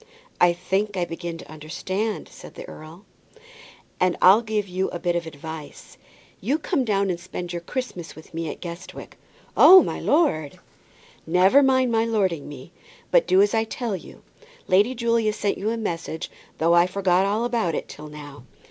"I think I begin to understand it," said the earl, "and I'll give you a bit of advice. You come down and spend your Christmas with me at Guestwick." "Oh, my lord!" "Never mind my lording me, but do as I tell you. Lady Julia sent you a message, though I forgot all about it till now.